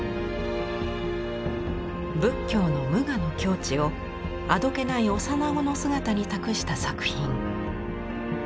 仏教の無我の境地をあどけない幼子の姿に託した作品。